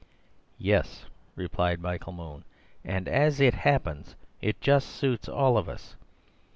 "Yes," replied Michael Moon; "and, as it happens, it just suits all of us.